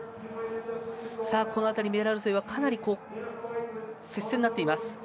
この辺りメダル争いはかなり接戦になっています。